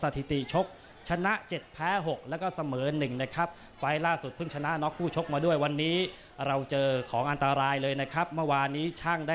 ไทยนิรักสงบแต่ถึงรบไม่ขลาด